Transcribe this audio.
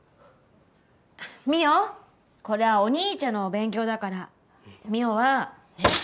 美桜これはお兄ちゃんのお勉強だから美桜は。